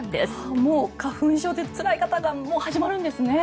もう花粉でつらい方は始まるんですね。